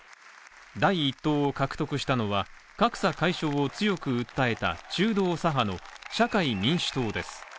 第１党を獲得したのは格差解消を強く訴えた中道左派の社会民主党です。